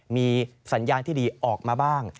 มีสัญญาณที่ดีออกมาบ้าง